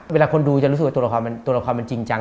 เวลาคนดูจะรู้สึกว่าตัวละครตัวละครมันจริงจัง